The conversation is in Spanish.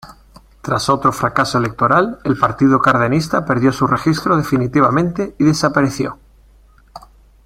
Tras otro fracaso electoral, el Partido Cardenista perdió su registro definitivamente y desapareció.